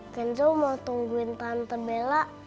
tinjo mau tungguin tante bela